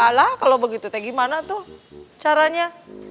salah kalau begitu teh gimana tuh caranya